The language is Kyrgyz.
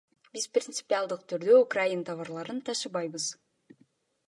Биз принципиалдык түрдө украин товарларын ташыбайбыз.